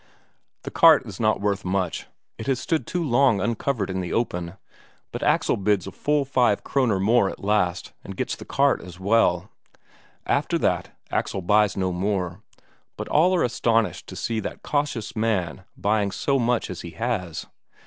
The cart is not worth much it has stood too long uncovered in the open; but Axel bids a full five Kroner more at last, and gets the cart as well. After that Axel buys no more, but all are astonished to see that cautious man buying so much as he has.